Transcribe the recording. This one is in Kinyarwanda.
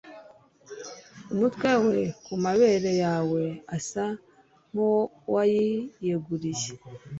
umutwe we kumabere yawe asa nkuwayiyeguriye